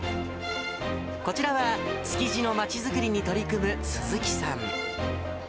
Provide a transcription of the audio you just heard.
こちらは、築地のまちづくりに取り組む鈴木さん。